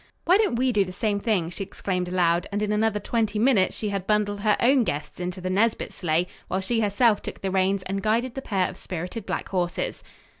"Why don't we do the same thing?" she exclaimed aloud, and in another twenty minutes she had bundled her own guests into the Nesbit sleigh, while she herself took the reins and guided the pair of spirited black horses.